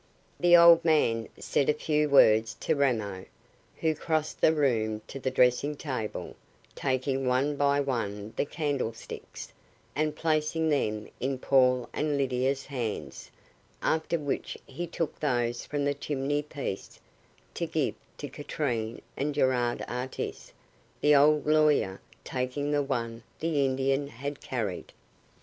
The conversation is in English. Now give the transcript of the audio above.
The old man said a few words to Ramo, who crossed the room to the dressing table, taking one by one the candlesticks, and placing them in Paul and Lydia's hands, after which he took those from the chimney piece to give to Katrine and Gerard Artis, the old lawyer taking the one the Indian had carried.